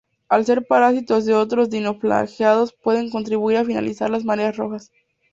Al ser parásitos de otros dinoflagelados pueden contribuir a finalizar las mareas rojas.